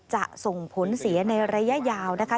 จะส่งผลเสียในระยะยาวนะคะ